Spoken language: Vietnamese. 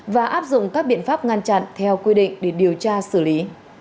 và áp dụng các biện pháp ngăn chặn theo quy định để điều tra xử lý